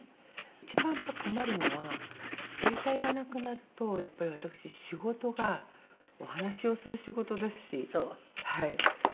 一番やっぱり困るのは声帯がなくなるとやっぱり私仕事がお話をする仕事ですし。